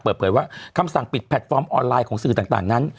เปิดเผยว่าคำสั่งปิดแพลตฟอร์มออนไลน์ของสื่อต่างนั้น